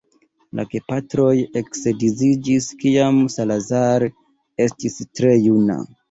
La gepatroj eksedziĝis kiam Salazar estis tre juna.